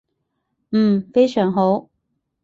嗯，非常好